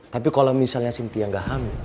tapi kalau misalnya sintia nggak hamil